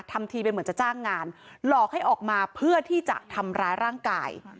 ทำทีเป็นเหมือนจะจ้างงานหลอกให้ออกมาเพื่อที่จะทำร้ายร่างกาย